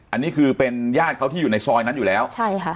อันนี้คือเป็นญาติเขาที่อยู่ในซอยนั้นอยู่แล้วใช่ค่ะ